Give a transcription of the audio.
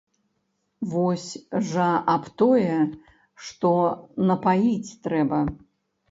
Вось жа аб тое, што напаіць трэба.